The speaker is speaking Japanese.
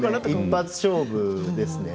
１発勝負です。